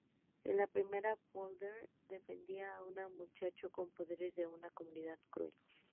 En la primera, "Powder", defendía a un muchacho con poderes de una comunidad cruel.